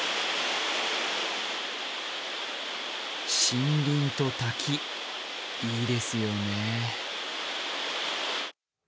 森林と滝、いいですよね。